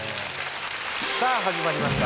さあ始まりました